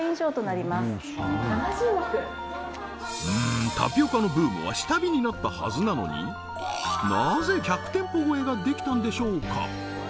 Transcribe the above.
うんタピオカのブームは下火になったはずなのになぜ１００店舗超えができたんでしょうか？